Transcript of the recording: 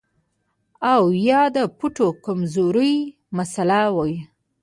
او يا د پټو د کمزورۍ مسئله وي